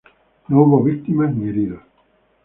No hubo víctimas, ni heridos.